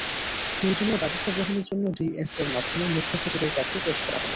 প্রয়োজনীয় ব্যবস্থা গ্রহণের জন্য ডিএস-এর মাধ্যমে মুখ্য সচিবের কাছে পেশ করা হলো।